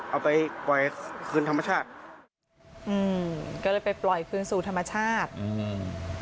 เอาไปปล่อยคืนธรรมชาติอืมก็เลยไปปล่อยคืนสู่ธรรมชาติอืม